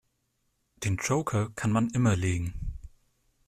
Den Joker kann man immer legen.